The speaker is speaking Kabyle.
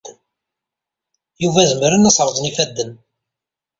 Yuba zemren ad as-rrẓen yifadden.